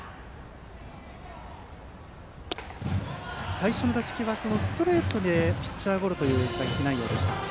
最初の打席はストレートでピッチャーゴロという打撃内容でした。